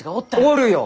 おるよ！